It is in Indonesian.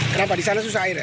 kenapa di sana susah air ya